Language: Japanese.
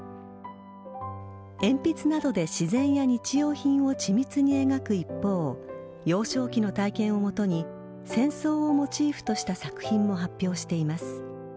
鉛筆などで自然や日用品をち密に描く一方幼少期の体験をもとに戦争をモチーフとした作品も発表しています。